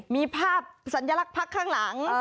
มีภาพสัญลักษณ์พักข้างหลัง